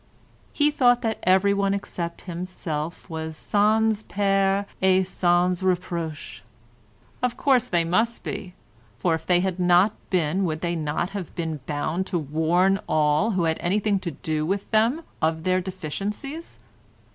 He thought that everyone except himself was sans peur et sans reproche. Of course they must be, for if they had not been, would they not have been bound to warn all who had anything to do with them of their deficiencies?